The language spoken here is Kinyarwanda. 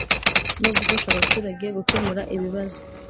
No gufasha abaturage gukemura ibibazo